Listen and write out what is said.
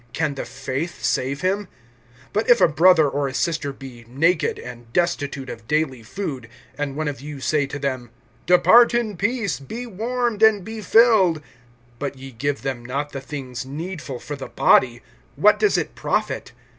Can the faith save him? (15)But if a brother or a sister be naked, and destitute of daily food, (16)and one of you say to them: Depart in peace, be warmed, and be filled, but ye give them not the things needful for the body, what does it profit?